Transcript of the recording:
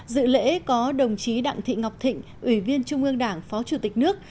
dự lễ có đồng chí đặng thị ngọc thịnh ủy viên trung ương đảng phó chủ tịch nước